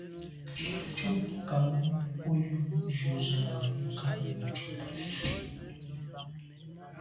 Cúp bú Cameroun mbə̄ bú yə́ jú zə̄ à' rə̂ ká mə́ cúp.